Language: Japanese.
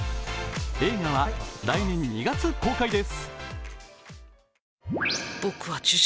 映画は来年２月公開です。